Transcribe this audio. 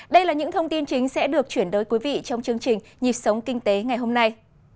đây là những thông tin chính sẽ được chuyển tới quý vị trong chương trình nhịp sống kinh tế ngày hôm nay